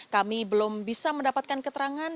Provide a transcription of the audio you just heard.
kami belum bisa mendapatkan keterangan